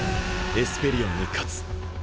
「エスペリオンに勝つ」。